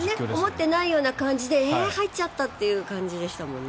思ってないような感じで入っちゃったって感じでしたもんね。